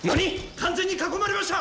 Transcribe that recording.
完全に囲まれました！